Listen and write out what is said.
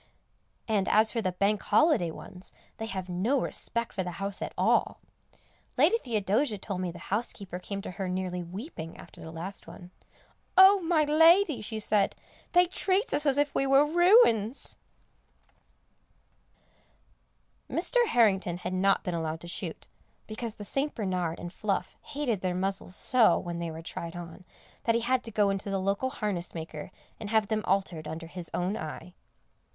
And as for the Bank Holiday ones, they have no respect for the house at all. Lady Theodosia told me the housekeeper came to her nearly weeping after the last one. "Oh, my lady," she said, "they treats us as if we was ruins." Mr. Harrington had not been allowed to shoot, because the St. Bernard and Fluff hated their muzzles so, when they were tried on, that he had to go in to the local harness maker and have them altered under his own eye.